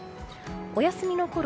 お休みのころ